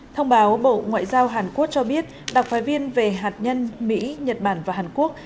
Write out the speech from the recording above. thông báo bộ ngoại giao hàn quốc cho biết đặc phái viên về hạt nhân mỹ nhật bản và hàn quốc